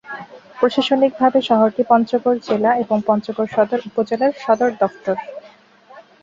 প্রশাসনিকভাবে শহরটি পঞ্চগড় জেলা এবং পঞ্চগড় সদর উপজেলার সদর দফতর।